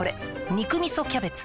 「肉みそキャベツ」